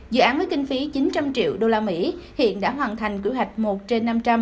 dự án với kinh phí chín trăm linh triệu usd hiện đã hoàn thành kế hoạch một trên năm trăm linh